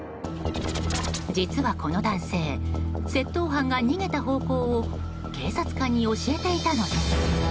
実は、この男性窃盗犯が逃げた方向を警察官に教えていたのです。